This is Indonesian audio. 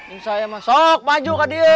ini saya mah sok maju ke dia lah